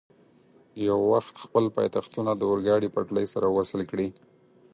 یو وخت خپل پایتختونه د اورګاډي پټلۍ سره وصل کړي.